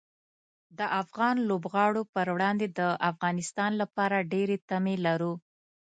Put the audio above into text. د افغان لوبغاړو پر وړاندې د افغانستان لپاره ډېرې تمې لرو.